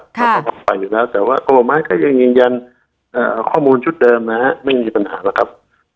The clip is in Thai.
เราก็ออกไปอยู่แล้วแต่ว่ากรมป่าไม้ก็ยังยืนยันข้อมูลชุดเดิมนะฮะไม่มีปัญหาหรอกครับ